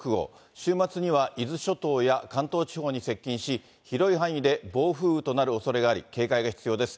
週末には、伊豆諸島や関東地方に接近し、広い範囲で暴風雨となるおそれがあり、警戒が必要です。